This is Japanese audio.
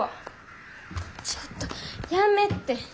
ちょっとやめって。